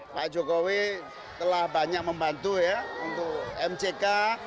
pak jokowi telah banyak membantu ya untuk mck